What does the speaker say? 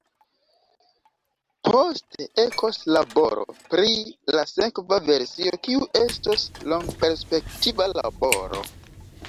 Poste ekos laboro pri la sekva versio, kiu estos longperspektiva laboro.